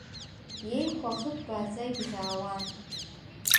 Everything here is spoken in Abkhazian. Иеиқәа ахы ҭбааӡа ибӷьаауан.